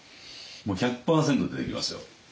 もう１００％出てきますよ。